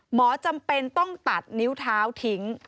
จำเป็นต้องตัดนิ้วเท้าทิ้ง